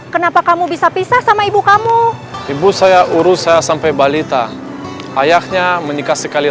kenapa kamu bisa pisah sama ibu kamu ibu saya urusan sampai balita ayahnya menikah sekali